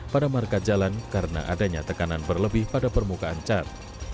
pada marka jalan karena adanya tekanan berlebih pada permukaan cat